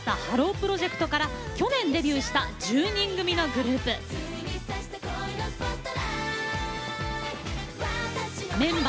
プロジェクトから去年デビューした１０人組のグループです。